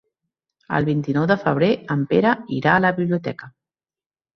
El vint-i-nou de febrer en Pere irà a la biblioteca.